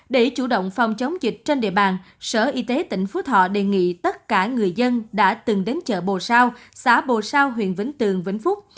để chủ động phòng chống dịch trên địa bàn sở y tế tỉnh phú thọ đề nghị tất cả người dân đã từng đến chợ bồ sao xã bồ sao huyện vĩnh tường vĩnh phúc